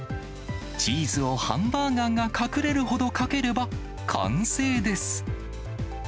チーズをハンバーガーが隠れるほどかければ、完成です。